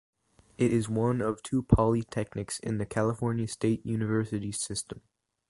It is one of two polytechnics in the California State University system.